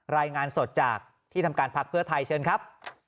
รายงานสดจากที่ทำการพักเพื่อไทยเชิญครับ